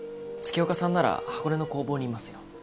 月岡さんなら箱根の工房にいますよ。